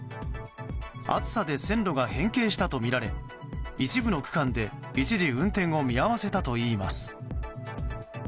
暑さで線路が変形したとみられ一部の区間で一時運転を見合わせたといいます。